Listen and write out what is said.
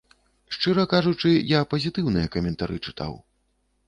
Шчыра кажучы, я пазітыўныя каментары чытаў.